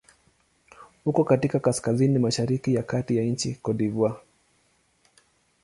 Uko katika kaskazini-mashariki ya kati ya nchi Cote d'Ivoire.